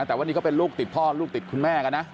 แต่ว่านี่ก็เป็นลูกติดพ่อลูกติดคุณแม่นะ